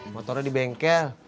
motornya di bengkel